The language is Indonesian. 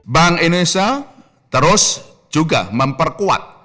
bank indonesia terus juga memperkuat